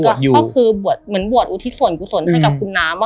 ก็คือเหมือนบวชอุทิศวรรณ์ผู้ศนในครูน้ำอะ